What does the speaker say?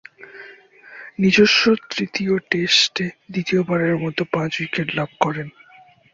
নিজস্ব তৃতীয় টেস্টে দ্বিতীয়বারের মতো পাঁচ-উইকেট লাভ করেন।